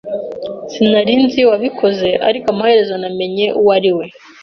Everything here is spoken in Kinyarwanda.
Sinari nzi uwabikoze, ariko amaherezo namenye uwo ari we.